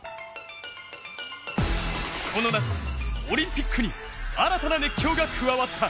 この夏、オリンピックに新たな熱狂が加わった。